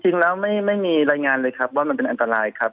จริงแล้วไม่มีรายงานเลยครับว่ามันเป็นอันตรายครับ